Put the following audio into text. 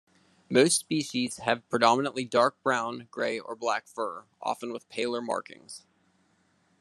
Most species have predominantly dark brown, grey, or black fur, often with paler markings.